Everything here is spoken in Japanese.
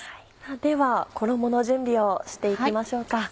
では衣の準備をしていきましょうか。